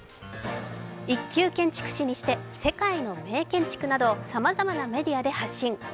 １級建築士にして、世界の名建築などをさまざまなメディアで発信。